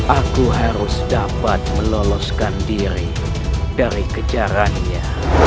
aku harus dapat meloloskan diri dari kejarannya